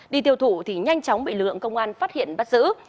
đi tiêu thụ thì nhanh chóng bị lực lượng công an phát hiện bắt giữ